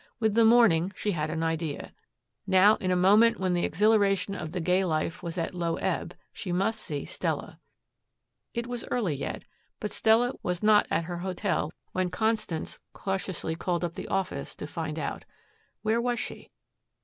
With the morning she had an idea. Now, in a moment when the exhilaration of the gay life was at low ebb, she must see Stella. It was early yet, but Stella was not at her hotel when Constance cautiously called up the office to find out. Where was she?